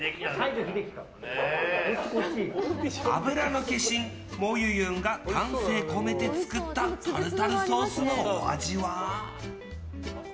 脂の化身、もゆゆんが丹精込めて作ったタルタルソースのお味は？